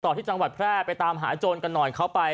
ที่จังหวัดแพร่ไปตามหาโจรกันหน่อยเขาไป